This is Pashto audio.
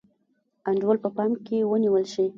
انډول په پام کې ونیول شي.